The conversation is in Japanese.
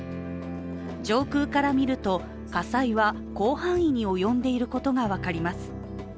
上空から見ると、火災は広範囲に及んでいることが分かります。